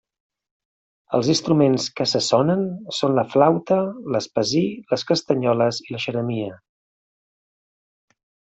Els instruments que se sonen són la flaüta, l'espasí, les castanyoles i la xeremia.